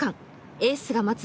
エースが待つ